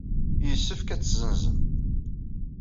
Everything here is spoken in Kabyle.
Yessefk ad tt-tessenzem.